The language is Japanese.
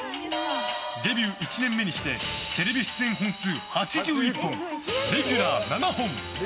デビュー１年目にしてテレビ出演本数８１本レギュラー７本。